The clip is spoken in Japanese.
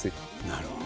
なるほど。